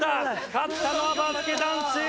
勝ったのはバスケ男子！